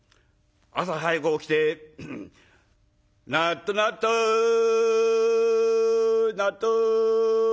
朝早く起きて「なっとなっとなっとう」。